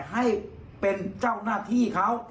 ให้เป็นเจ้าหน้าที่เขา